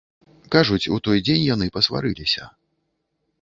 Кажуць, у той дзень яны пасварыліся.